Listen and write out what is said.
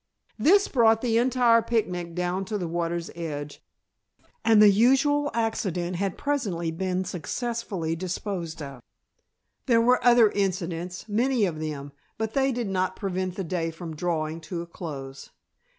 This brought the entire picnic down to the water's edge, and the usual accident had presently been successfully disposed of. There were other incidents, many of them, but they did not prevent the day from drawing to a close.